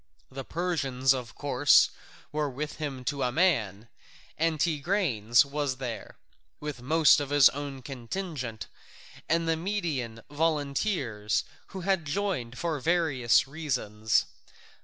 The Persians, of course, were with him to a man, and Tigranes was there, with his own contingent, and the Median volunteers, who had joined for various reasons.